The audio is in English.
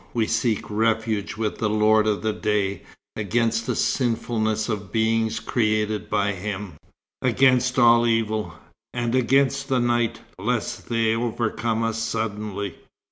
We seek refuge with the Lord of the Day, against the sinfulness of beings created by Him; against all evil, and against the night, lest they overcome us suddenly."